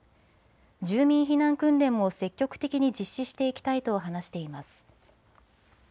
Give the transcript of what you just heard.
住民避難訓練も積極的に実施していきたいと話しています。